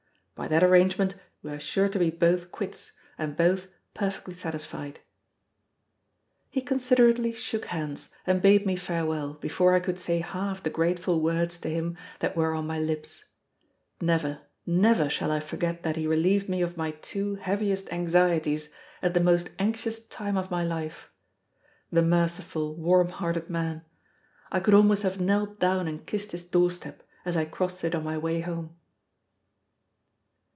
By that arrangement we are sure to be both quits, and both perfectly satisfied." He considerately shook hands and bade me farewell before I could say half the grateful words to him that were on my lips. Never, never shall I forget that he relieved me of my two heaviest anxieties at the most anxious time of my life. The merciful, warm hearted man! I could almost have knelt down and kissed his doorstep, as I crossed it on my way home.